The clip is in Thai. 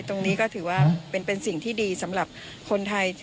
ตรงนี้ก็ถือว่าเป็นสิ่งที่ดีสำหรับคนไทย